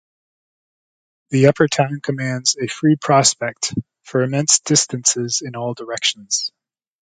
The upper town commands a free prospect for immense distances in all directions.